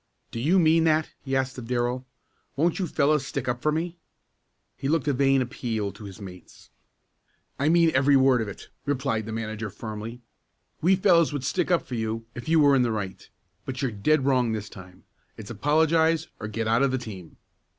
"Do you mean that?" he asked of Darrell. "Won't you fellows stick up for me?" He looked a vain appeal to his mates. "I mean every word of it," replied the manager firmly. "We fellows would stick up for you if you were in the right, but you're dead wrong this time. It's apologize or get out of the team!"